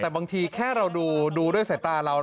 แต่บางทีแค่เราดูด้วยสายตาเรา